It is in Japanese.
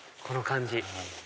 この感じ。